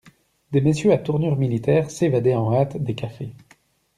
Des messieurs à tournure militaire s'évadaient en hâte des cafés.